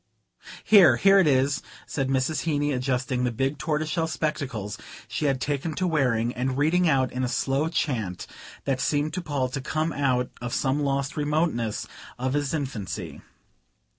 "Here here it is," said Mrs. Heeny, adjusting the big tortoiseshell spectacles she had taken to wearing, and reading out in a slow chant that seemed to Paul to come out of some lost remoteness of his infancy.